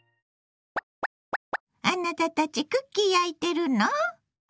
あなたたちクッキー焼いてるの？